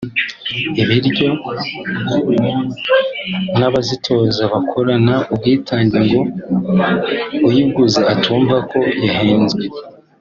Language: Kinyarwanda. ibiryo n’abazitoza bakorana ubwitange ngo uyiguze atumva ko yahenzwe